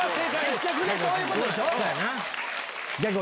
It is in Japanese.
結局そういうことでしょ？